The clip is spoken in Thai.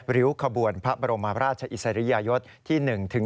ริ้วขบวนพระบรมราชอิสริยยศที่๑๒